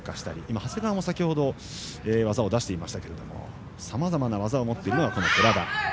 長谷川も先ほど技を出していましたがさまざまな技を持っている寺田。